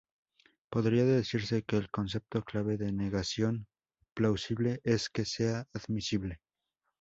Podría decirse que el concepto clave de negación plausible es que sea admisible.